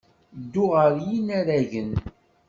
Ddu ɣer yinaragen.